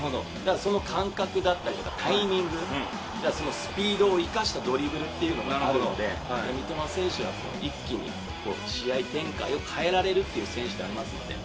その感覚だったりとか、タイミング、スピードを生かしたドリブルっていうのがあるんで、三笘選手は一気に試合展開を変えられるっていう選手でありますので。